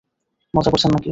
মজা করছেন নাকি?